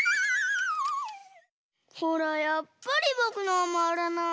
ほらやっぱりぼくのはまわらない！